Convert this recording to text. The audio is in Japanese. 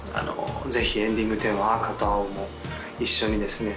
ぜひエンディングテーマ「赤と青」も一緒にですね